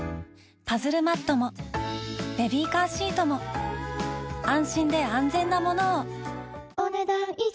パズルマットもベビーカーシートも安心で安全なものをお、ねだん以上。